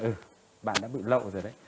ừ bạn đã bị lậu rồi đấy